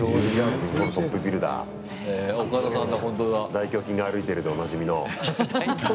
大胸筋が歩いてるでおなじみの。